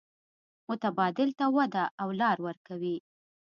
متبادل ته وده او لار ورکوي.